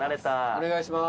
お願いします。